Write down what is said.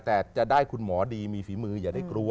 แต่จะได้คุณหมอดีมีฝีมืออย่าได้กลัว